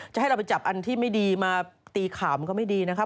จะให้เราไปจับอันที่ไม่ดีมาตีข่าวมันก็ไม่ดีนะครับ